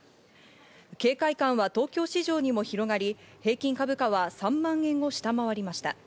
警戒感は東京市場にも広がり平均株価は３万円を下回りました。